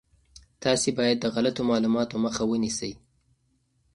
تاسي باید د غلطو معلوماتو مخه ونیسئ.